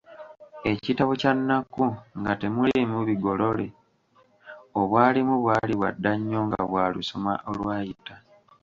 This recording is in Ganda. Ekitabo kya Nnakku nga temuliimu bigolole obwalimu bwali bwadda nnyo nga bwa lusoma olwayita.